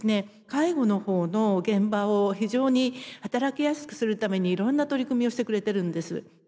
介護の方の現場を非常に働きやすくするためにいろんな取り組みをしてくれてるんです。